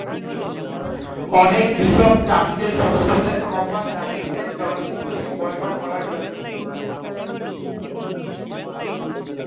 অনেক বিশপ চার্চের সদস্যদের আহ্বান জানিয়েছেন চলচ্চিত্রটি বয়কট করার জন্য।